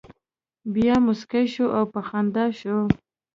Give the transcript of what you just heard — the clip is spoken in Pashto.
بیا مسکی شو او په خندا شو.